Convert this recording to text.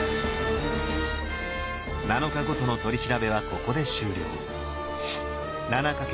７日ごとの取り調べはここで終了。